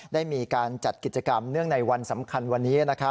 ได้มีการจัดกิจกรรมเนื่องในวันสำคัญวันนี้